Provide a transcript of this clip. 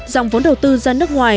dòng vốn đầu tư ra nước ngoài